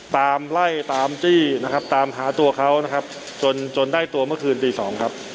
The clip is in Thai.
ตามไล่ตามจี้นะครับตามหาตัวเขานะครับจนจนได้ตัวเมื่อคืนตีสองครับ